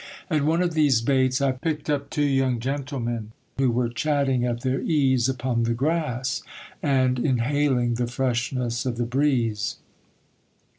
At one of these baits I picked up two young gentlemen, who were chatting at their ease upon the grass, and inhaling the freshness of the breeze.